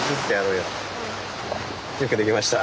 うん。よくできました。